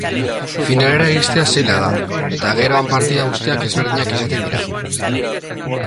Finalera iristea zaila da, eta gerto han partida guztiak ezberdinak izaten dira.